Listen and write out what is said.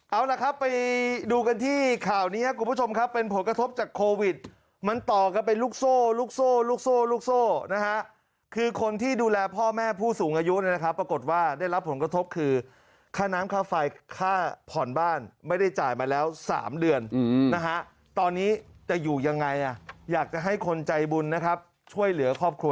เอาล่ะครับไปดูกันที่ข่าวนี้ครับคุณผู้ชมครับเป็นผลกระทบจากโควิดมันต่อกันเป็นลูกโซ่ลูกโซ่ลูกโซ่ลูกโซ่นะฮะคือคนที่ดูแลพ่อแม่ผู้สูงอายุนะครับปรากฏว่าได้รับผลกระทบคือค่าน้ำค่าไฟค่าผ่อนบ้านไม่ได้จ่ายมาแล้ว๓เดือนนะฮะตอนนี้จะอยู่ยังไงอ่ะอยากจะให้คนใจบุญนะครับช่วยเหลือครอบครัว